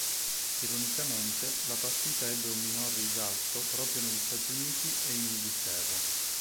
Ironicamente, la partita ebbe un minor risalto proprio negli Stati Uniti e in Inghilterra.